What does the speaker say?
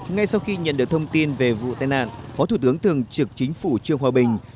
ngay sau khi nhận được thông tin về vụ tai nạn phó thủ tướng thường trực chính phủ trương hòa bình